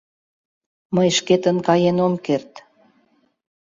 — Мый шкетын каен ом керт.